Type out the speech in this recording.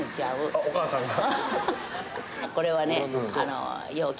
あお母さんが？